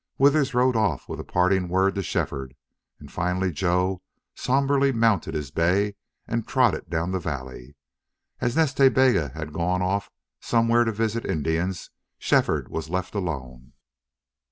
Withers rode off, with a parting word to Shefford, and finally Joe somberly mounted his bay and trotted down the valley. As Nas Ta Bega had gone off somewhere to visit Indians, Shefford was left alone.